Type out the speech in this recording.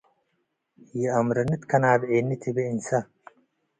“ይአምረኒ ትከናብዔኒ” ትቤ እንሰ።